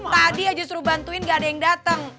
tadi aja suruh bantuin gak ada yang dateng